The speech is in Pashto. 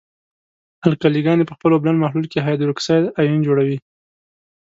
القلې ګاني په خپل اوبلن محلول کې هایدروکساید آیون جوړوي.